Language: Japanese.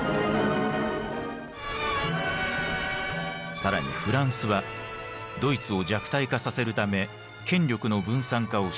更にフランスはドイツを弱体化させるため権力の分散化を主張。